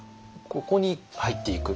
ここに入っていく。